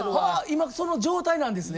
今その状態なんですね。